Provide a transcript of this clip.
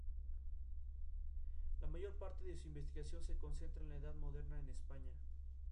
La mayor parte de su investigación se concentra en la Edad Moderna en España.